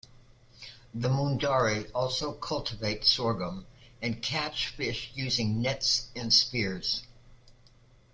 The Mundari also cultivate sorghum and catch fish using nets and spears.